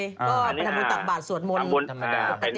ก็ทำบุญตักบาทสวดมนต์ปกติ